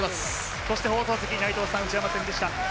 そして放送席、内藤さん、内山さんでした。